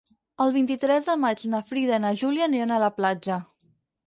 El vint-i-tres de maig na Frida i na Júlia aniran a la platja.